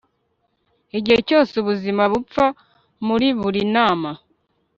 igihe cyose ubuzima bupfa muri buri nama